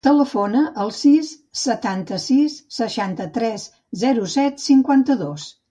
Telefona al sis, setanta-sis, seixanta-tres, zero, set, cinquanta-dos.